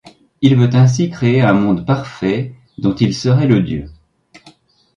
Il veut ainsi créer un monde parfait, dont il serait le dieu.